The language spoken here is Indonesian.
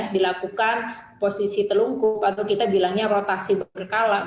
dilakukan posisi telungkup atau kita bilangnya rotasi berkala